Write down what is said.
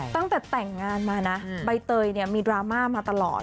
ตั้งแต่แต่งงานมานะใบเตยเนี่ยมีดราม่ามาตลอด